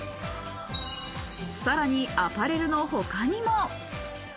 さらにアパレルの他にも。